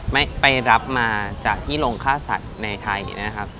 ไม่ไปรับมาจากที่โรงฆ่าสัตว์ในไทยนะครับ